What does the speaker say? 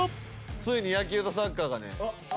ついに野球とサッカーがね。